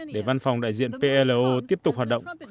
để văn phòng đại diện plo tiếp tục hoạt động